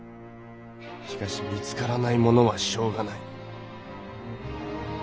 しかし見つからないものはしょうがない。